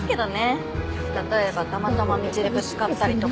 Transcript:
例えばたまたま道でぶつかったりとか。